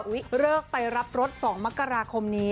เลิกไปรับรถ๒มกราคมนี้